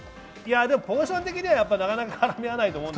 ポジション的にはなかなか絡み合わないと思います。